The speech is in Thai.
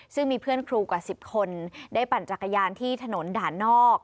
ซึ่งมีเพื่อนครูกว่า๑๐คนได้ปั่นจักรยานที่ถนนด่านนอก